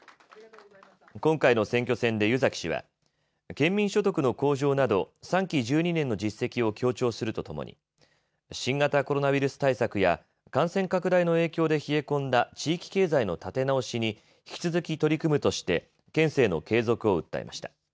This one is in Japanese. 今回の選挙戦で湯崎氏は県民所得の向上など３期１２年の実績を強調するとともに新型コロナウイルス対策や感染拡大の影響で冷え込んだ地域経済の立て直しに引き続き取り組むとして県政の継続を訴えました。